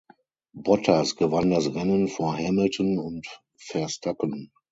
Bottas gewann das Rennen vor Hamilton und Verstappen.